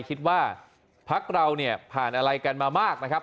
คิดว่าพักเราเนี่ยผ่านอะไรกันมามากนะครับ